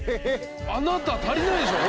あなた足りないでしょ！